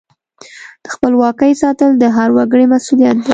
د خپلواکۍ ساتل د هر وګړي مسؤلیت دی.